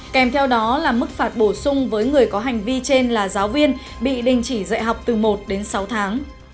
kèm theo đó là mức phạt bổ sung với người có hành vi trên là giáo viên bị đình chỉ dạy học từ một đến sáu tháng